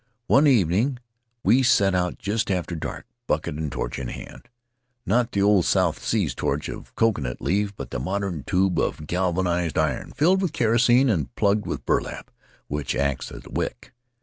One evening we set out just after dark, bucket and torch in hand — not the old South Sea torch of coconut leaf, but the modern tube of galvanized iron, filled with kerosene and plugged with burlap, which acts as a wick.